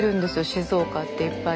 静岡っていっぱい。